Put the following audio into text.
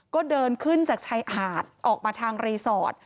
ก็เดินขึ้นจากชายหาดออกมาทางรีสอร์ท